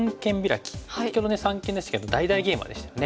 先ほどね三間でしたけど大々ゲイマでしたよね。